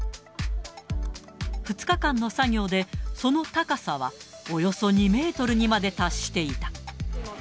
２日間の作業で、その高さはおよそ２メートルにまで達していた。